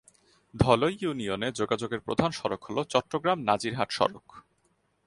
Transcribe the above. ধলই ইউনিয়নে যোগাযোগের প্রধান সড়ক হল চট্টগ্রাম-নাজিরহাট সড়ক।